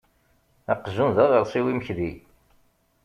Aqjun d aɣersiw imekdi.